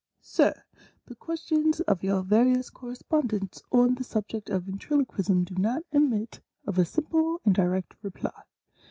" Sir — The questions of your various correspondents on the subject of Ventriloquism do not admit of a simple and direct reply.